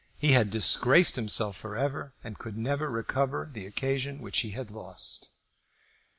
He had disgraced himself for ever and could never recover the occasion which he had lost.